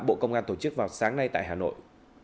bộ công an tổ chức vào sáng nay tại hà nội